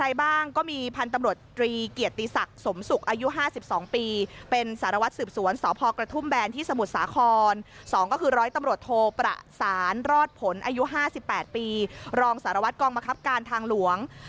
ร้อยตำรวจโทประสานรอดผลอายุ๕๘ปีรองสารวัตรกองมะครับการทางหลวง